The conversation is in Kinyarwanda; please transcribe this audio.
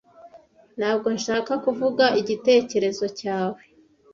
Ntabwo nshaka kuvuga igitekerezo cyawe.